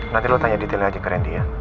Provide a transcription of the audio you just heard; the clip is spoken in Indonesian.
nanti lo tanya detail aja ke rendy ya